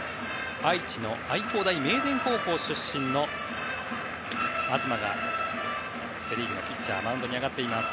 愛知の愛工大名電高校出身の東がセ・リーグのピッチャーマウンドに上がっています。